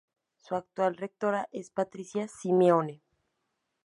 Su actual rectora es Patricia Simeone.